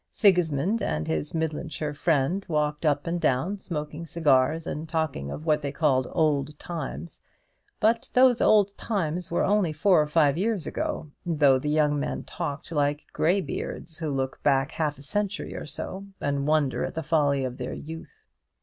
Sigismund and his Midlandshire friend walked up and down, smoking cigars, and talking of what they called old times; but those old times were only four or five years ago, though the young men talked like greybeards, who look back half a century or so, and wonder at the folly of their youth.